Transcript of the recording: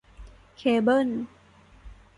เคเบิล